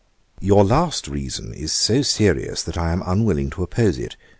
'Your last reason is so serious, that I am unwilling to oppose it.